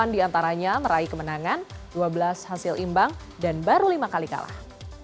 delapan diantaranya meraih kemenangan dua belas hasil imbang dan baru lima kali kalah